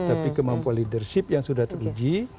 tapi kemampuan leadership yang sudah teruji